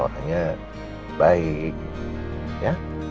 orangnya baik ya